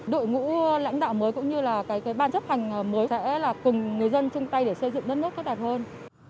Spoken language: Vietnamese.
đội ngũ lãnh đạo mới cũng như là ban chấp hành mới sẽ là cùng người dân chung tay để xây dựng đất nước tốt đẹp hơn